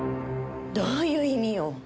どういう意味よ？